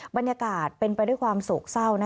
บรรยากาศเป็นไปด้วยความโศกเศร้า